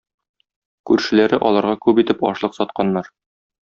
Күршеләре аларга күп итеп ашлык сатканнар.